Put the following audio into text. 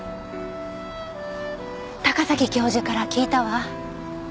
高崎教授から聞いたわ。